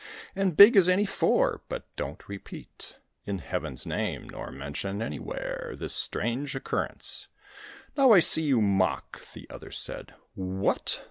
And big as any four; but don't repeat, In Heaven's name, nor mention anywhere This strange occurrence." "Now, I see you mock," The other said. "What!